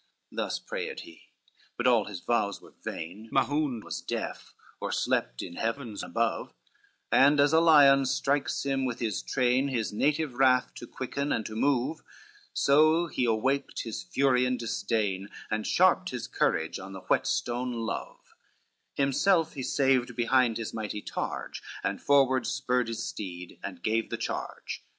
CXIV Thus prayed he, but all his vows were vain, Mahound was deaf, or slept in heavens above, And as a lion strikes him with his train, His native wrath to quicken and to move, So he awaked his fury and disdain, And sharped his courage on the whetstone love; Himself he saved behind his mighty targe, And forward spurred his steed and gave the charge.